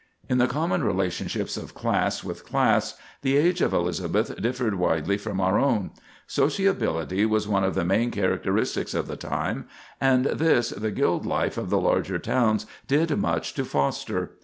In the common relationships of class with class the age of Elizabeth differed widely from our own. Sociability was one of the main characteristics of the time, and this the guild life of the larger towns did much to foster.